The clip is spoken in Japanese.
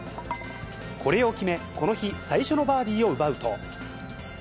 これを決め、この日、最初のバーディーを奪うと。